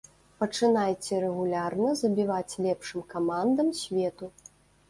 Пачынайце рэгулярна забіваць лепшым камандам свету.